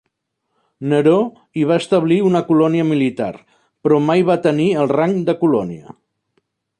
Neró hi va establir una colònia militar però mai va tenir el rang de colònia.